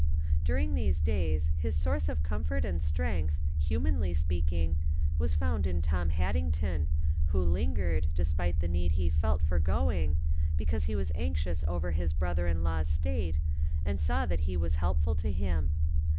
During these days his source of comfort and strength, humanly speaking, was found in Tom Haddington, who lingered, despite the need he felt for going, because he was anxious over his brother in law's state, and saw that he was help ful to him.